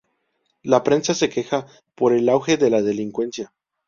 La prensa se queja por el auge de la delincuencia.